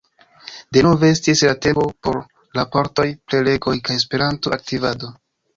Denove estis la tempo por raportoj, prelegoj kaj Esperanto-aktivado.